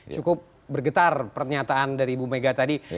cukup bergetar pernyataan dari ibu mega tadi